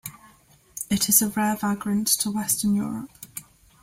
It is a rare vagrant to western Europe.